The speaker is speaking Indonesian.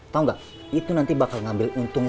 tahu nggak itu nanti bakal ngambil untung